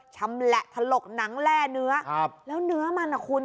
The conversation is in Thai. ชำแหละถลกหนังแร่เนื้อครับแล้วเนื้อมันอ่ะคุณ